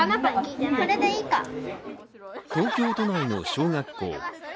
東京都内の小学校。